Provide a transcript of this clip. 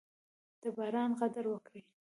د باران قدر وکړئ.